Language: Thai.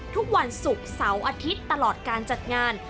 ทุกวันศุกร์เสาร์อาทิตย์ตลอดการจัดงาน